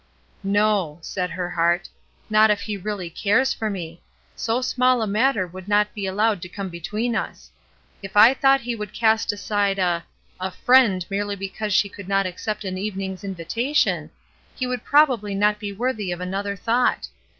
" No !" said her heart. " Not if he really cares for me. So small a matter would not be al lowed to come between us. If I thought he DISCIPLINE 235 could cast aside a — a friend merely because she could not accept an evening's invitation — he would not be worthy of another thought.